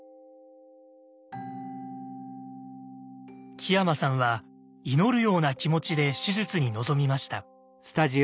木山さんは祈るような気持ちで手術に臨みました。